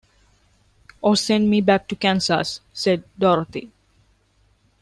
"Or send me back to Kansas," said Dorothy.